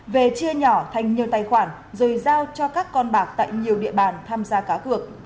về chia nhỏ thành nhiều tài khoản rồi giao cho các con bạc tại nhiều địa bàn tham gia cá cược